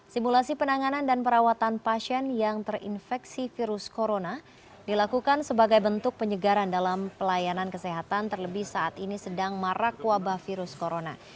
simulasi penanganan dan perawatan pasien yang terinfeksi virus corona dilakukan sebagai bentuk penyegaran dalam pelayanan kesehatan terlebih saat ini sedang marak wabah virus corona